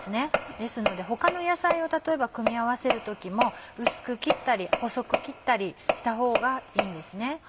ですので他の野菜を例えば組み合わせる時も薄く切ったり細く切ったりしたほうがいいです。